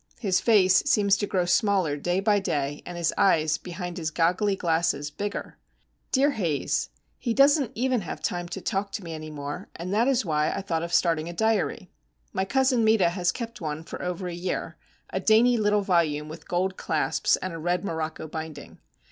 His face seems to grow smaller day by day, and his eyes, behind his goggly glasses, bigger. Dear Haze! he doesn't even have time to talk to me any more, and that is why I thought of starting a diary. My cousin Meta has kept one for over a year,—a dainty little volume with gold clasps and a red morocco binding.